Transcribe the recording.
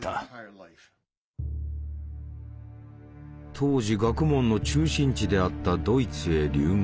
当時学問の中心地であったドイツへ留学。